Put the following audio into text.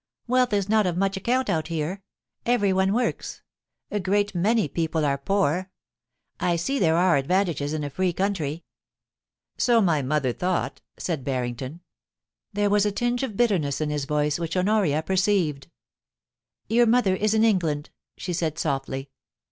'Wealth is not of much account out here. Everyone works. A great many people are poor. I see there are advantages in a free country.' * So my mother thought,' said Harrington. There was a tinge of bitterness in his tone, which Honoria perceived *Your mother is in England,' she said softly.